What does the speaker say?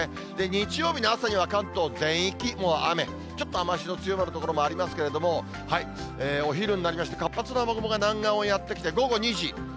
日曜日の朝には関東全域、もう雨、ちょっと雨足の強まる所もありますけれども、お昼になりまして、活発な雨雲が南岸をやって来て、午後２時。